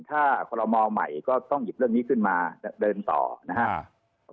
ถ้าคอลโลมอลใหม่ก็ต้องหยิบเรื่องนี้ขึ้นมาเดินต่อนะครับ